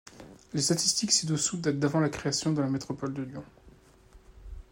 Les statistiques ci-dessous datent d'avant la création de la métropole de Lyon.